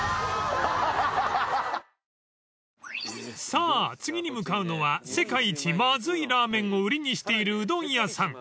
［さぁ次に向かうのは世界一まずいラーメンを売りにしているうどん屋さん］